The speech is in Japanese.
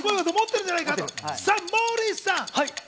モーリーさん。